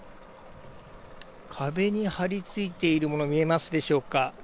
壁に張り付いているもの見えますでしょうか。